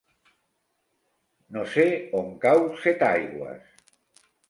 No sé on cau Setaigües.